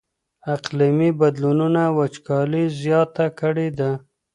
اقلیمي بدلونونو وچکالي زیاته کړې ده.